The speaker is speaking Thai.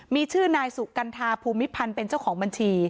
มีชื่อนายสุกัณฑาภูมิพันธ์เป็นเจ้าของบัญชี